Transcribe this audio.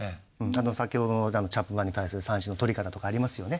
先ほどのチャップマンに対する三振のとり方とかありますよね。